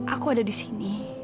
aku ada di sini